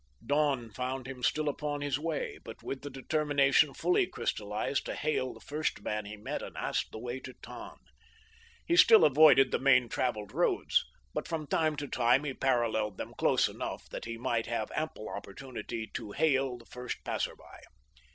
Dawn found him still upon his way, but with the determination fully crystallized to hail the first man he met and ask the way to Tann. He still avoided the main traveled roads, but from time to time he paralleled them close enough that he might have ample opportunity to hail the first passerby.